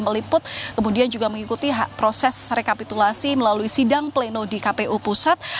meliput kemudian juga mengikuti proses rekapitulasi melalui sidang pleno di kpu pusat